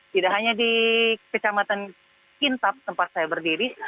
tidak hanya di kintab tempat saya berdiri